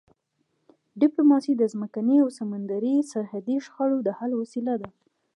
ډیپلوماسي د ځمکني او سمندري سرحدي شخړو د حل وسیله ده.